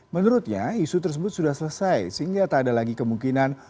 menurutnya isu tersebut sudah selesai sehingga tak ada lagi kemungkinan